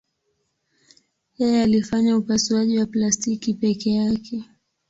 Yeye alifanya upasuaji wa plastiki peke yake.